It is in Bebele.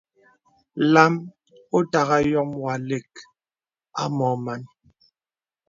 Lām òtagà yôm wà àlə̀k à mɔ màn.